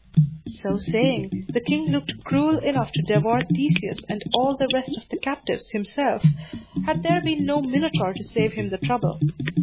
So saying, the king looked cruel enough to devour Theseus and all the rest of the captives himself, had there been no Minotaur to save him the trouble.